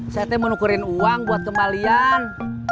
saya tadi mau nukerin uang buat kembalian